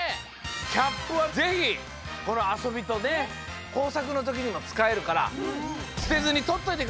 キャップはぜひこのあそびとねこうさくのときにもつかえるからすてずにとっといてくださいね！